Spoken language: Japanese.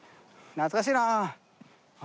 懐かしいなあ。